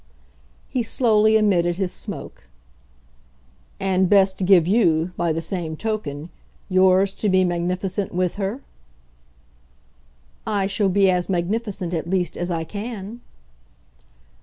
He slowly emitted his smoke. "And best give you, by the same token, yours to be magnificent with her?" "I shall be as magnificent, at least, as I can."